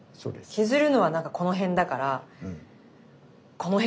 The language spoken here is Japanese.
削るのはなんかこの辺だからこの辺のどこか。